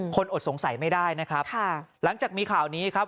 อดสงสัยไม่ได้นะครับค่ะหลังจากมีข่าวนี้ครับ